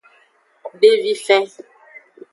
Devifen.